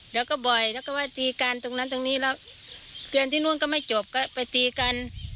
แล้วก็บ่อยแล้วก็ว่าตีกันตรงนั้นตรงนี้แล้วเตือนที่นู่นก็ไม่จบก็ไปตีกัน